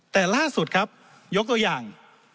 แต่ล่าสุดครับยกตัวอย่าง